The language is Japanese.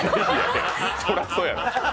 そりゃそやろ。